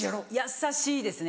優しいですね。